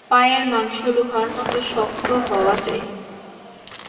পায়ের মাংস লোহার মত শক্ত হওয়া চাই।